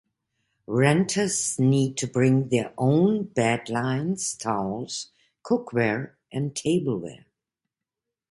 Renters need to bring their own bed linens, towels, cookware and tableware.